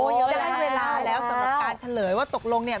โอ้ยเยอะแล้วได้เวลาแล้วสำหรับการเฉลยว่าตกลงเนี่ย